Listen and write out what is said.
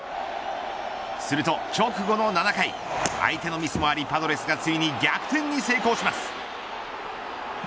すると、直後の７回相手のミスもありパドレスがついに逆転に成功します。